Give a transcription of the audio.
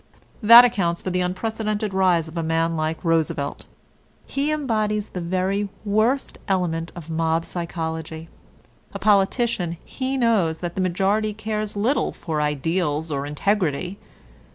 That accounts for the unprecedented rise of a man like Roosevelt. He embodies the very worst element of mob psychology. A politician, he knows that the majority cares little for ideals or integrity.